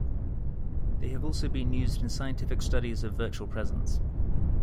They have also been used in scientific studies of virtual presence.